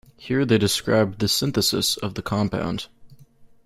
Here they described the synthesis of the compound.